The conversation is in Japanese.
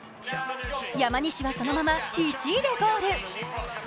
山西は、そのまま１位でゴール。